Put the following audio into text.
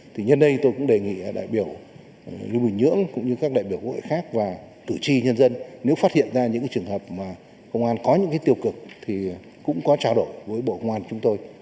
thì nhân đây tôi cũng đề nghị đại biểu lưu bình nhưỡng cũng như các đại biểu quốc hội khác và cử tri nhân dân nếu phát hiện ra những trường hợp mà công an có những cái tiêu cực thì cũng có trao đổi với bộ công an chúng tôi